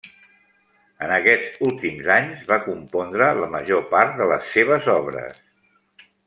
En aquests últims anys va compondre la major part de les seves obres.